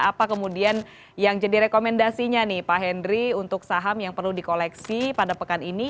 apa kemudian yang jadi rekomendasinya nih pak henry untuk saham yang perlu dikoleksi pada pekan ini